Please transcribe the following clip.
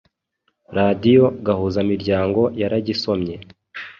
radiyo Gahuzamiryango yaragisomye,